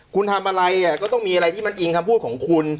คุณทำอะไรก็ต้องมีอะไรที่มันอิงคำพูดของคุณ